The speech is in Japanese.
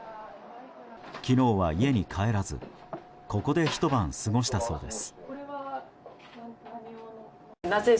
昨日は家に帰らずここでひと晩過ごしたそうです。